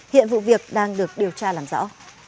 hiện vụ việc đang được điều tra làm rõ